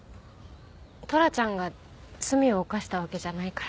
トラちゃんが罪を犯したわけじゃないから。